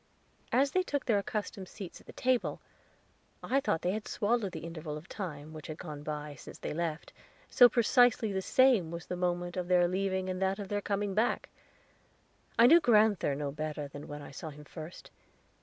As they took their accustomed seats at the table, I thought they had swallowed the interval of time which had gone by since they left, so precisely the same was the moment of their leaving and that of their coming back. I knew grand'ther no better than when I saw him first.